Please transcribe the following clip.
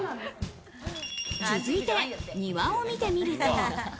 続いて庭を見てみると。